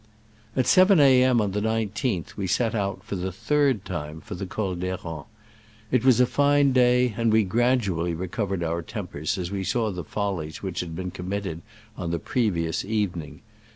At 7 A. M. on the 19th we set out, for the third time, for the Col d'Herens. It was a fine day, and we gradually recov ered our tempers as we saw the follies which had been committed on the pre vious evening.